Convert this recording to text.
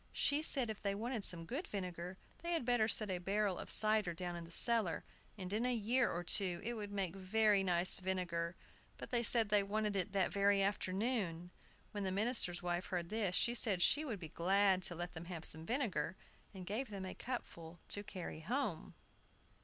She said if they wanted some good vinegar they had better set a barrel of cider down in the cellar, and in a year or two it would make very nice vinegar. But they said they wanted it that very afternoon. When the minister's wife heard this, she said she should be very glad to let them have some vinegar, and gave them a cupful to carry home.